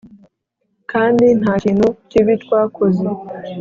Kandi nta kintu kibi twakoze